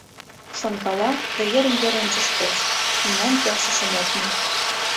Шонкала да йырым-йыр ончыштеш — нимом келшышым ок му.